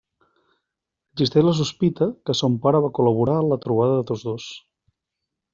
Existeix la sospita que son pare va col·laborar en la trobada de tots dos.